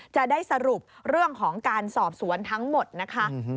จะได้สรุปเรื่องของการสอบสวนทั้งหมดนะคะ